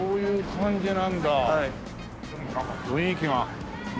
なんか雰囲気が。